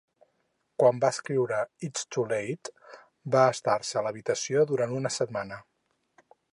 Quan va escriure "It's Too Late" va estar-se a l'habitació durant una setmana.